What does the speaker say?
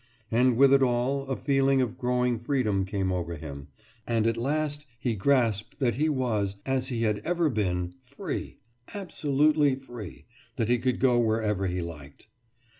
And with it all a feeling of growing freedom came over him and at last he grasped that he was, as he had ever been, free absolutely free that he could go wherever he liked.